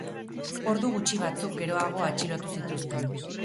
Ordu gutxi batzuk geroago atxilotu zituzten.